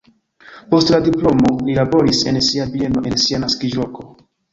Post la diplomo li laboris en sia bieno en sia naskiĝloko.